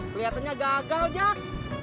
keliatannya gagal jak